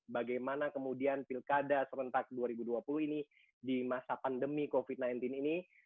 bagaimana kemudian pilkada serentak dua ribu dua puluh ini di masa pandemi covid sembilan belas ini